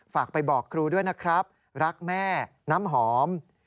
ฝากไปบอกครูด้วยนะครับรักแม่น้ำหอม